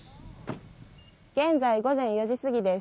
現在、午前４時過ぎです。